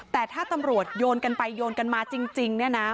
แต่ถ้าตำรวจโยนกันไปโยนกันมาจริงเนี่ยนะ